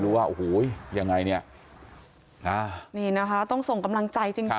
ดูว่าโฮยยังไงเนี่ยนะคะต้องส่งกำลังใจจริงนะคะ